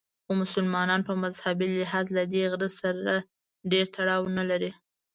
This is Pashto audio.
خو مسلمانان په مذهبي لحاظ له دې غره سره ډېر تړاو نه لري.